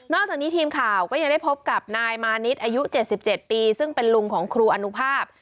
จากนี้ทีมข่าวก็ยังได้พบกับนายมานิดอายุ๗๗ปีซึ่งเป็นลุงของครูอนุภาพ